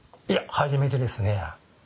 いや初めてですね。